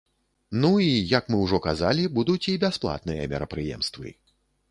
Ну і, як мы ўжо казалі, будуць і бясплатныя мерапрыемствы.